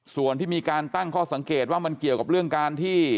ส่วนที่มีการตั้งข้อสังเกตว่ามันเกี่ยวกับเรื่องการที่